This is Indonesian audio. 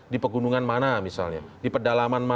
di pegunungan mana misalnya